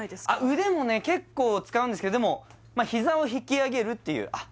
腕もね結構使うんですけどでも膝を引き上げるっていうあっ